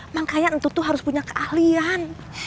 makanya entutu harus punya keahlian